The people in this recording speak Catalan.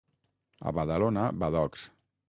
A Badalona, badocs.